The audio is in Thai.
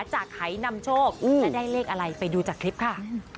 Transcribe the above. หายนำโชคและได้เลขอะไรไปดูจากคลิปค่ะ